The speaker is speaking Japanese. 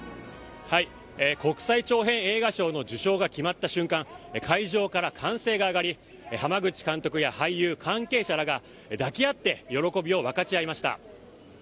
国際長編映画賞の受賞が決まった瞬間、会場から歓声が上がり、濱口監督や俳優、関係者らが、抱き合って喜びを分かち合いました。